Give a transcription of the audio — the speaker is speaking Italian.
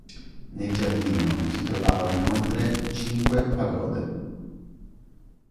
Nel giardino si trovavano inoltre cinque pagode.